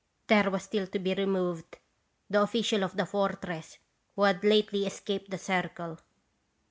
" There was still to be ' removed ' the official of the Fortress, who had lately escaped the Circle.